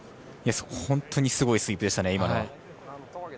本当にすごいスイープでした。